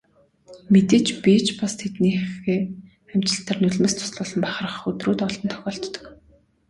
Мэдээж би ч бас тэднийхээ амжилтаар нулимс дуслуулан бахархах өдрүүд олон тохиолддог.